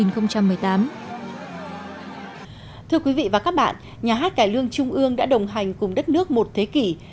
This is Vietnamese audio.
thưa quý vị và các bạn nhà hát cải lương trung ương đã đồng hành cùng đất nước một thế kỷ